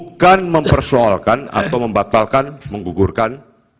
bukan mempersoalkan atau membatalkan menggugurkan